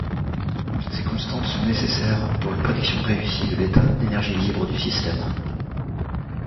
Ces constantes sont nécessaires pour une prédiction réussie de l'état d'énergie libre du système.